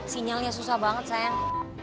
sinyalnya susah banget sayang